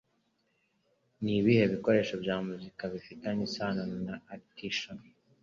Nibihe bikoresho bya muzika bifitanye isano na Artie Shaw?